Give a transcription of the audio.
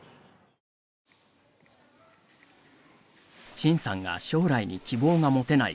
陳さんが将来に希望が持てない